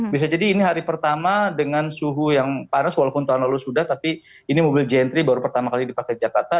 bisa jadi ini hari pertama dengan suhu yang panas walaupun tahun lalu sudah tapi ini mobil jentry baru pertama kali dipakai jakarta